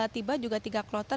tiba juga tiga kloter